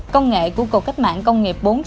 công nghệ của cuộc cách mạng công nghiệp bốn